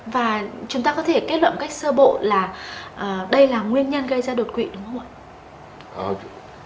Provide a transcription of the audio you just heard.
và chúng ta có thể kết luận một cách sơ bộ là đây là nguyên nhân gây ra đột quỵ đúng không ạ